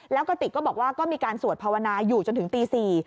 แล้วกระติกก็บอกว่าก็มีการสวดภาวนาอยู่จนถึงตี๔